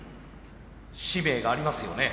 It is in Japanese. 使命がありますよね。